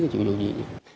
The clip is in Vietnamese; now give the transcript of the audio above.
chịu dụ gì